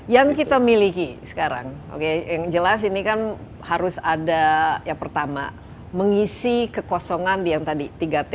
yang kita miliki sekarang oke yang jelas ini kan harus ada yang pertama mengisi kekosongan yang tadi tiga t